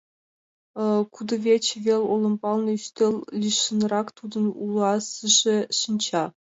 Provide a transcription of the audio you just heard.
Кудывече вел олымбалне, ӱстел лишнырак, тудын улазыже шинча.